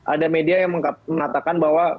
ada media yang mengatakan bahwa